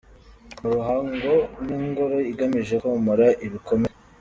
mu Ruhango ni ingoro igamije komora ibikomere.